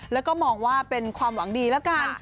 แล้วก็มองว่าเป็นความหวังดีแล้วกัน